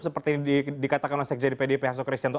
seperti dikatakan oleh sekjeni pdp hasso christiano